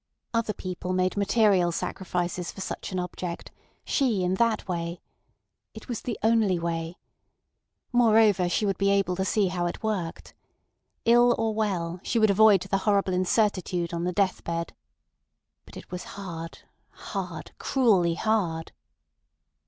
Other people made material sacrifices for such an object, she in that way. It was the only way. Moreover, she would be able to see how it worked. Ill or well she would avoid the horrible incertitude on the death bed. But it was hard, hard, cruelly hard.